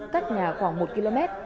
cách nhà khoảng một km